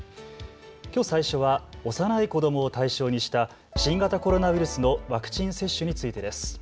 きょう最初は幼い子どもを対象にした新型コロナウイルスのワクチン接種についてです。